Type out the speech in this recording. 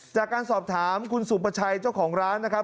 จากการสอบถามคุณสุประชัยเจ้าของร้านนะครับ